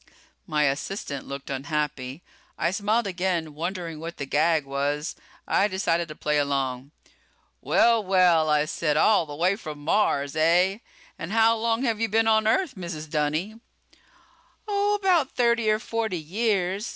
My assistant looked unhappy. I smiled again, wondering what the gag was. I decided to play along. "Well, well," I said, "all the way from Mars, eh? And how long have you been on Earth, Mrs. Dunny?" "Oh, about thirty or forty years.